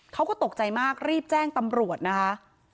เขาก็ตกใจมากรีบแจ้งตำรวจนะคะ